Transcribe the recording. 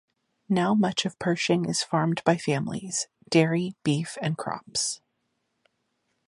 Now much of Pershing is farmed by families: dairy, beef and crops.